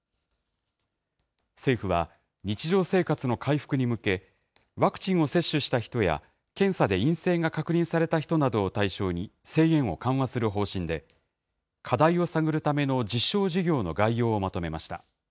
政府は、日常生活の回復に向け、ワクチンを接種した人や、検査で陰性が確認された人などを対象に、制限を緩和する方針で、課題を探るための実証事業の概要をまとめました。